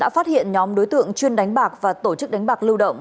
phát hiện nhóm đối tượng chuyên đánh bạc và tổ chức đánh bạc lưu động